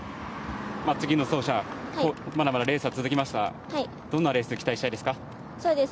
次の走者、まだまだレースは続きますがどんなレースに期待したいですか。